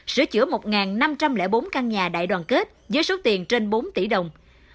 sửa chữa một năm trăm linh bốn căn nhà đại đoàn kết với số tiền trên bốn tỷ đồng